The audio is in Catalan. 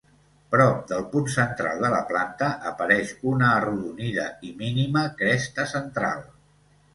Prop del punt central de la planta apareix una arrodonida i mínima cresta central.